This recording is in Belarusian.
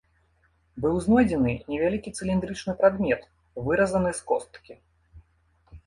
Быў знойдзены невялікі цыліндрычны прадмет, выразаны з косткі.